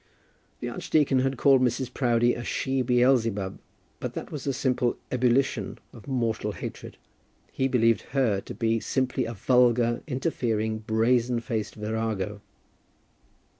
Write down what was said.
The archdeacon had called Mrs. Proudie a she Beelzebub; but that was a simple ebullition of mortal hatred. He believed her to be simply a vulgar, interfering, brazen faced virago.